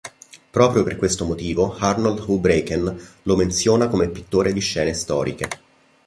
Proprio per questo motivo Arnold Houbraken lo menziona come pittore di scene storiche.